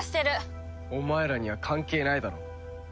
お前らには関係ないだろ。